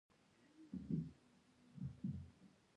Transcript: مجبور شو چې ننګینو تړونونو ته غاړه کېږدي.